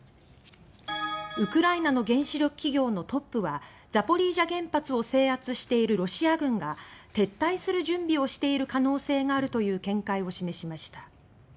ウクライナの原子力企業のトップはザポリージャ原発を制圧しているロシア軍が撤退する準備をしている可能性があるという見解を示しました。